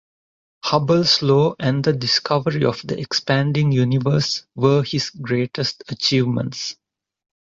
Hubble's law and the discovery of the expanding Universe were his greatest achievements.